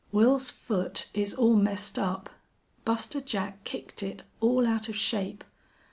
"Wils's foot is all messed up. Buster Jack kicked it all out of shape.